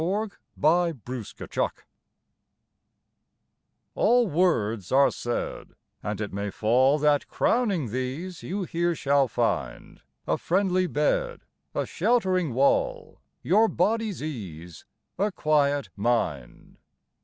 FOR A GUEST ROOM All words are said, And may it fall That, crowning these, You here shall find A friendly bed, A sheltering wall, Your body's ease, A quiet mind.